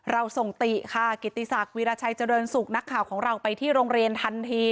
เราส่งติค่ะกิติศักดิราชัยเจริญสุขนักข่าวของเราไปที่โรงเรียนทันที